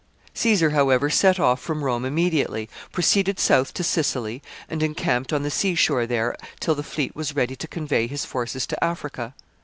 Caesar, however, set off from Rome immediately, proceeded south to Sicily, and encamped on the sea shore there till the fleet was ready to convey his forces to Africa.